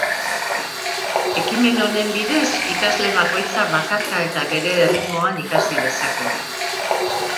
Ekimen honen bidez, ikasle bakoitzak bakarka eta bere erritmoan ikasi dezake.